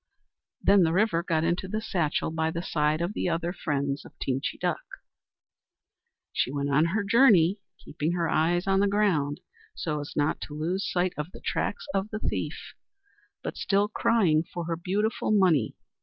Then the River got into the satchel by the side of the other friends of Teenchy Duck. She went on her journey, keeping her eyes on the ground, so as not to lose sight of the tracks of the thief, but still crying for her beautiful money.